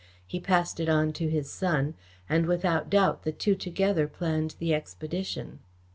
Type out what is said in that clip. He passed it on to his son, and without doubt the two together planned the expedition."